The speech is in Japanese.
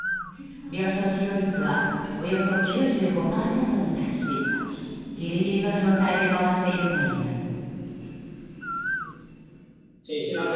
病床使用率はおよそ９５％に達しギリギリの状態で回しているといいます。